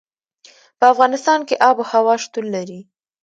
په افغانستان کې آب وهوا شتون لري.